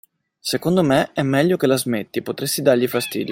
Secondo me è meglio che la smetti, potresti dargli fastidio.